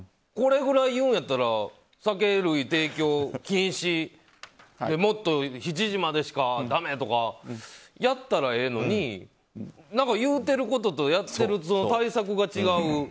これくらい言うんやったら酒類提供禁止もっと７時までしかだめとかやったらええのに言うてることとやっている対策が違う。